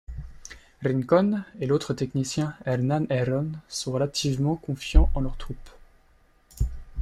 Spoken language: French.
Rincón et l'autre technicien Hernán Herrón sont relativement confiants en leur troupe.